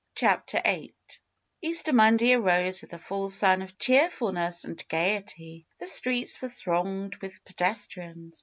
CHAPTER VIII Easter Monday arose with the sun full of cheerfulness and gayety. The streets were thronged with pedes trians.